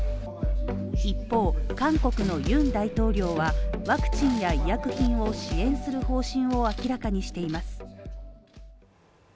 一方、韓国のユン大統領はワクチンや医薬品を支援する方針を明らかにしています。